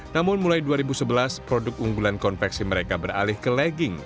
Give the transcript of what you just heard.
namun mulai dua ribu sebelas produk unggulan konveksi mereka beralih ke legging